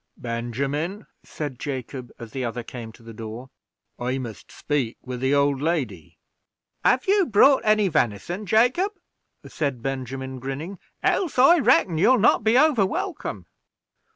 "Benjamin," said Jacob, as the other came to the door, "I must speak with the old lady." "Have you brought any venison, Jacob?" said Benjamin, grinning, "else, I reckon, you'll not be over welcome."